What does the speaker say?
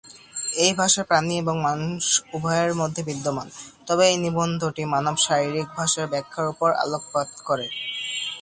এই ভাষা প্রাণী এবং মানুষ উভয়ের মধ্যে বিদ্যমান, তবে এই নিবন্ধটি মানব শারীরিক ভাষার ব্যাখ্যার উপর আলোকপাত করে।